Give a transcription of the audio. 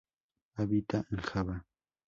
Habita en Java.